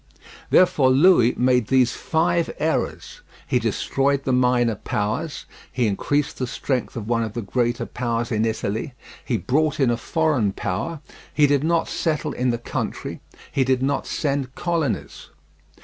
Therefore Louis made these five errors: he destroyed the minor powers, he increased the strength of one of the greater powers in Italy, he brought in a foreign power, he did not settle in the country, he did not send colonies.